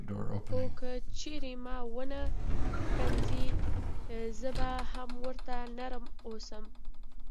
خو که چیرې ما ونه ښکنځي زه به هم ورته نرم اوسم.